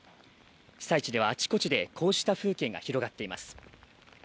被災地ではあちこちでこうした風景が広がっています。